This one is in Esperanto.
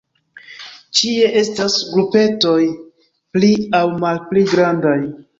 Ĉie estas grupetoj pli aŭ malpli grandaj.